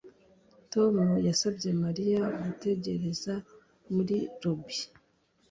Tom yasabye Mariya gutegereza muri lobby